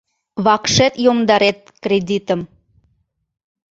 Вакшет йомдарет кредитым...